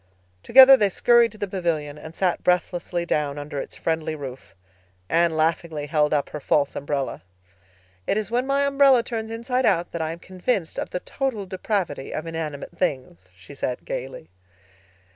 Together they scurried to the pavilion and sat breathlessly down under its friendly roof. Anne laughingly held up her false umbrella. "It is when my umbrella turns inside out that I am convinced of the total depravity of inanimate things," she said gaily.